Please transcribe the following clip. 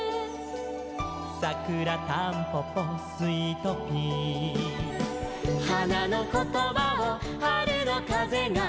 「さくらたんぽぽスイトピー」「花のことばを春のかぜが」